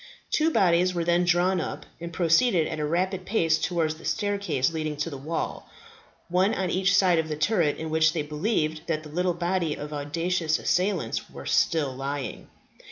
Two bodies were then drawn up, and proceeded at a rapid pace towards the staircases leading to the wall, one on each side of the turret in which they believed that the little body of audacious assailants were still lying.